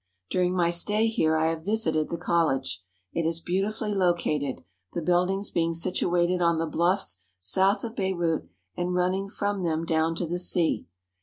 During my stay here I have visited the college. It is beautifully located, the buildings being situated on the bluffs south of Beirut and running from them down to the sea.